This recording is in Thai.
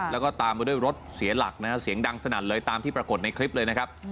แล้วก็ตามมาด้วยรถเสียหลักนะฮะเสียงดังสนั่นเลยตามที่ปรากฏในคลิปเลยนะครับ